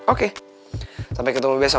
oke sampai ketemu besok ya